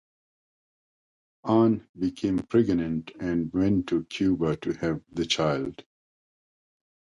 Anne became pregnant and went to Cuba to have the child.